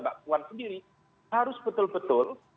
mbak puan sendiri harus betul betul